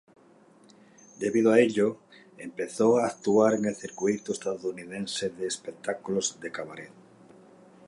Debido a ello, empezó a actuar en el circuito estadounidense de espectáculos de cabaret.